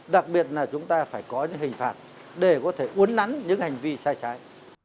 đặc biệt là chúng ta phải có những hình phạt để có thể uốn nắn những hành vi sai trái